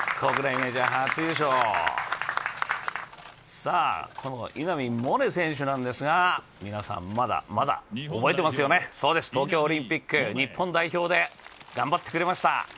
さぁ、この稲見萌寧選手なんですが皆さん、まだ覚えてますね、そうです、東京オリンピック日本代表で頑張ってくれました。